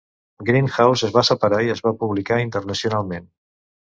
"Grindhouse" es va separar i es va publicar internacionalment.